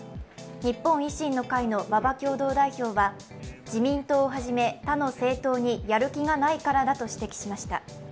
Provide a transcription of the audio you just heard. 日本維新の会の馬場共同代表は自民党をはじめ他の政党にやる気がないからだと指摘しました。